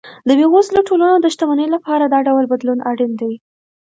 د بېوزلو ټولنو د شتمنۍ لپاره دا ډول بدلون اړین دی.